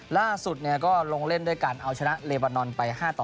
ล่าสุดก็ลงเล่นด้วยการเอาชนะเลบานอนไป๕ต่อ